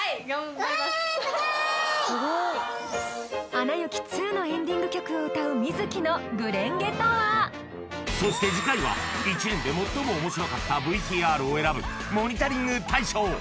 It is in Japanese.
「アナ雪２」のエンディング曲を歌うＭｉｚｋｉの「紅蓮華」とはそして次回は１年で最も面白かったＶＴＲを選ぶモニタリング大賞